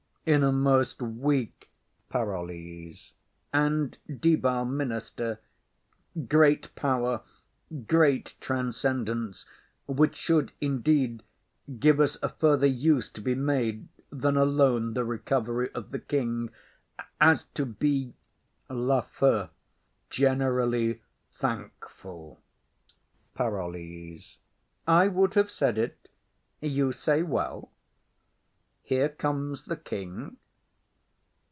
In a most weak— PAROLLES. And debile minister, great power, great transcendence, which should indeed give us a further use to be made than alone the recov'ry of the king, as to be— LAFEW. Generally thankful. PAROLLES. I would have said it; you say well. Here comes the king.